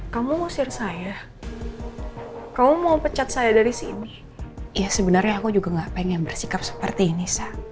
kamu ngusir saya kamu mau pecat saya dari sini ya sebenarnya aku juga gak pengen bersikap seperti ini